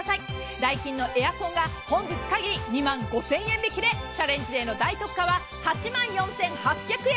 ダイキンのエアコンが本日限り２万５０００円引きでチャレンジデーの大特価は８万４８００円。